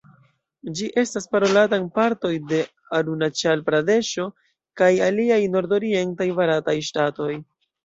Ĝi estas parolata en partoj de Arunaĉal-Pradeŝo kaj aliaj nordorientaj barataj ŝtatoj.